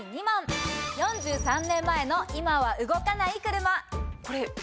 ４３年前の今は動かない車。